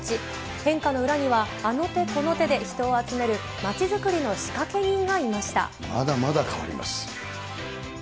変化の裏には、あの手この手で人を集めるまちづくりの仕掛け人がまだまだ変わります。